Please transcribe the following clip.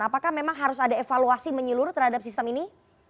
apakah memang harus ada evaluasi menyeluruh terhadap sistem ini